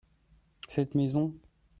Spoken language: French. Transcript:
Cette maison.